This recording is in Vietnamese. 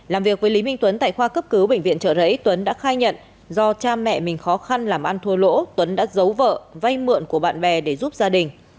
làm việc với lý minh tuấn tại khoa cấp cứu bệnh viện trợ rẫy tuấn đã khai nhận do cha mẹ mình khó khăn làm ăn thua lỗ tuấn đã giấu vợ vay mượn của bạn bè để giúp gia đình